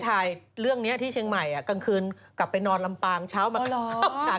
ถ่ายเรื่องนี้ที่เชียงใหม่กลางคืนกลับไปนอนลำปางเช้ามา